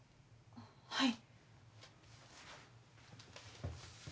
はい。